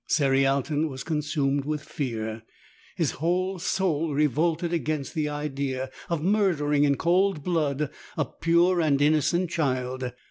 Cerialton was consumed with fear. His whole soul revolted against the idea of murdering in cold blood a pure and innocent child.